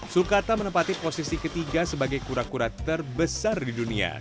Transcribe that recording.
sulkata menempati posisi ketiga sebagai kura kura terbesar di dunia